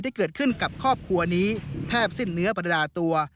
ที่เกิดขึ้นกับครอบครัวนี้แทบสิ้นเนื้อประดาตัว